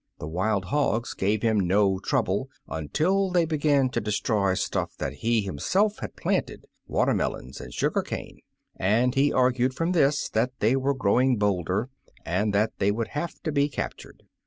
The wild hogs gave him no trouble until they began to destroy stuff that he himself had planted — watermelons and sugaf cane — and he argued from this that they were growing bolder, and that they 127 Uncle Remus Returns would have to be captured.